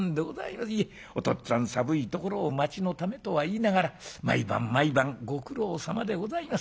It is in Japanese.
『お父っつぁん寒いところを町のためとは言いながら毎晩毎晩ご苦労さまでございます。